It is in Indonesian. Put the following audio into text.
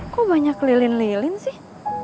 kok banyak lilin lilin sih